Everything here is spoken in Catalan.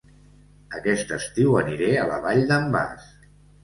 Aquest estiu aniré a La Vall d'en Bas